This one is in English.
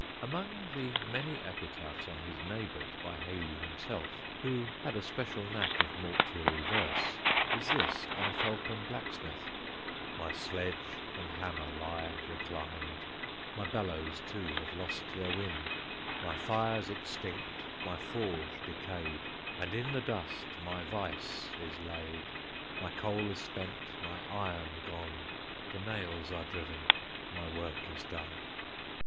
Among the many epitaphs on his neighbours by Hayley himself, who had a special knack of mortuary verse, is this on a Felpham blacksmith: My sledge and hammer lie reclined; My bellows too have lost their wind; My fire's extinct; my forge decay'd, And in the dust my vice is laid; My coal is spent, my iron gone; The nails are driven my work is done.